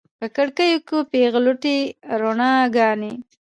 په کړکیو کې پیغلوټې روڼاګانې